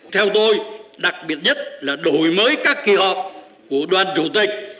theo tôi đặc biệt nhất là đổi mới các kỳ họp của đoàn chủ tịch